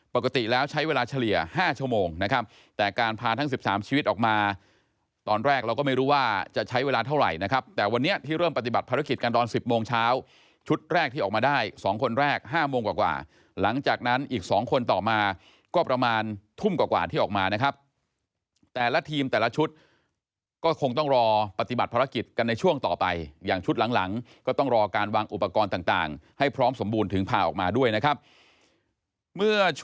ปฏิบัติภารกิจกันตอน๑๐โมงเช้าชุดแรกที่ออกมาได้๒คนแรก๕โมงกว่ากว่าหลังจากนั้นอีก๒คนต่อมาก็ประมาณทุ่มกว่ากว่าที่ออกมานะครับแต่ละทีมแต่ละชุดก็คงต้องรอปฏิบัติภารกิจกันในช่วงต่อไปอย่างชุดหลังก็ต้องรอการวางอุปกรณ์ต่างให้พร้อมสมบูรณ์ถึงพาออกมาด้วยนะครับเมื่อช่